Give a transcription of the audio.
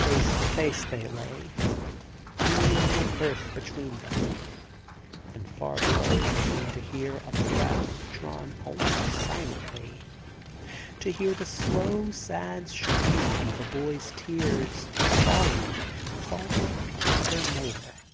Face to face they lay, only a little earth between them; and far below he seemed to hear a breath drawn almost silently, to hear the slow, sad stream of a boy's tears falling, falling evermore.